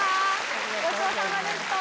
ごちそうさまでした！